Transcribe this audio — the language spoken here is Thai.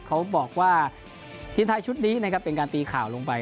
เขาบอกว่าทีมไทยชุดนี้นะครับเป็นการตีข่าวลงไป